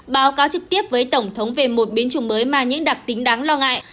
báo cáo trực tiếp với tổng thống về một biến chủng mới mà những đặc tính đáng lo ngại